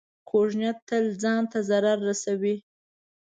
کوږ نیت تل ځان ته ضرر رسوي